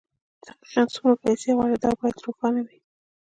دقيقاً څومره پيسې غواړئ دا بايد روښانه وي.